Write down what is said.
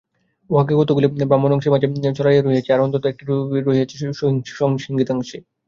উহার কতকগুলি ব্রাহ্মণ অংশের মাঝে মাঝে ছড়াইয়া রহিয়াছে, আর অন্তত একটি রহিয়াছে সংহিতাংশে।